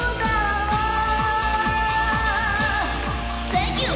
センキュー！